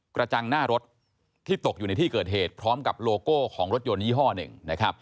กระจังหน้ารถที่ตกอยู่ในที่เกิดเหตุพร้อมกับโลโก้ของรถยนต์ยี่ห้อหนึ่งนะครับ